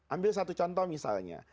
ambil satu contoh misalnya